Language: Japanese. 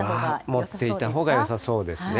持っていたほうがよさそうですね。